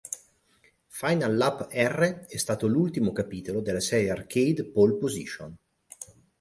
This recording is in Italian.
Final Lap R è stato l'ultimo capitolo della serie Arcade Pole Position.